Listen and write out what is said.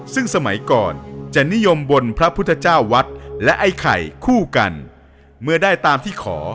ซึ่งสมัยก่อนจะนิยมบนพระพุทธเจ้าวัดและไอ้ไข่คู่กันเมื่อได้ตามที่ขอ